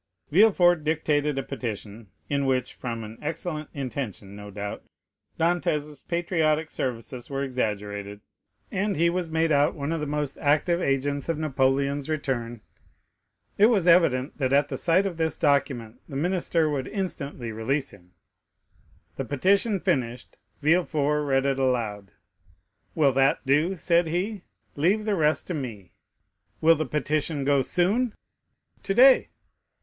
Villefort dictated a petition, in which, from an excellent intention, no doubt, Dantès' patriotic services were exaggerated, and he was made out one of the most active agents of Napoleon's return. It was evident that at the sight of this document the minister would instantly release him. The petition finished, Villefort read it aloud. "That will do," said he; "leave the rest to me." "Will the petition go soon?" "Today."